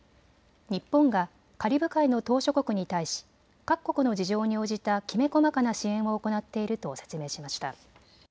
日本がカリブ海の島しょ国に対し各国の事情に応じたきめ細かな支援を行っていると説明しました。